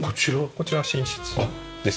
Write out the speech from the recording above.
こちらは寝室です。